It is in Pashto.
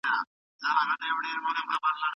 له باطل سره مقابله وکړئ.